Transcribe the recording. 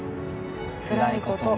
「つらいことも」